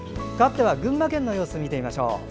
かわっては群馬県の様子見てみましょう。